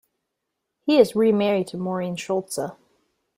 He is remarried to Maureen Schulze.